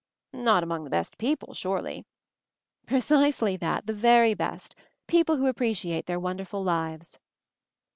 "Not among the best people, surely?" "Precisely that, the very best ; people who appreciate their wonderful lives."